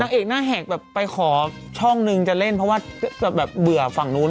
เอกหน้าแหกแบบไปขอช่องนึงจะเล่นเพราะว่าแบบเบื่อฝั่งนู้น